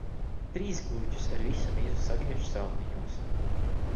Trīs gurķus ar visu mizu sagriež salmiņos.